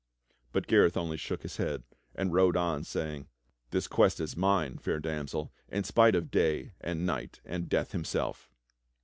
But Gareth only shook his head, and rode on saying: "This quest is mine. Fair Damsel, in spite of Day and Night and Death himself."